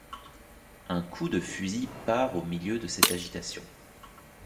Un coup de fusil part au milieu de cette agitation.